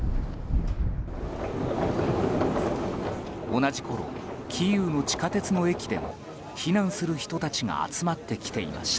同じころキーウの地下鉄の駅でも避難する人たちが集まってきていました。